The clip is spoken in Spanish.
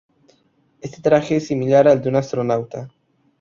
Este traje es similar al de un astronauta.